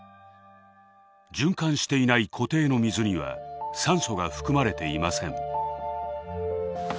循環していない湖底の水には酸素が含まれていません。